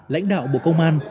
lãnh đạo bộ công an